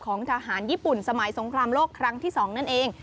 ทหารญี่ปุ่นสมัยสงครามโลกครั้งที่๒นั่นเอง